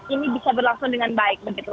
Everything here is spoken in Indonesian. ini bisa berlangsung dengan baik begitu